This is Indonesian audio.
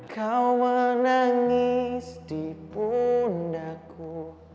kau menangis di pundakku